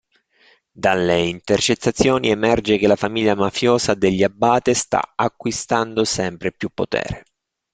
Dalle intercettazioni emerge che la famiglia mafiosa degli Abate sta acquistando sempre più potere.